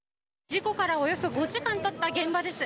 事故からおよそ５時間たった現場です。